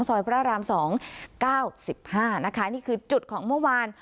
ซอยพระรามสองเก้าสิบห้านะคะนี่คือจุดของเมื่อวาน